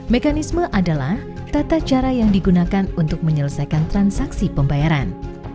mekanisme adalah tata cara yang digunakan untuk menyelesaikan transaksi pembayaran